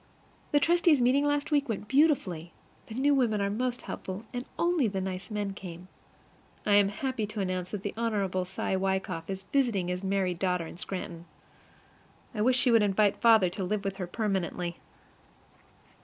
The trustees' meeting last week went beautifully. The new women are most helpful, and only the nice men came. I am happy to announce that the Hon. Cy Wykoff is visiting his married daughter in Scranton. I wish she would invite father to live with her permanently.